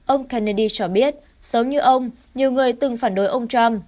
ông kennedy cho biết giống như ông nhiều người từng phản đối ông trump